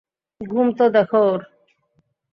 ঘুম তো দেখো ওর!